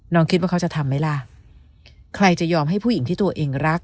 คิดว่าเขาจะทำไหมล่ะใครจะยอมให้ผู้หญิงที่ตัวเองรัก